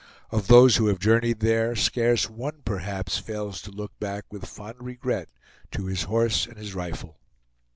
Of those who have journeyed there, scarce one, perhaps, fails to look back with fond regret to his horse and his rifle.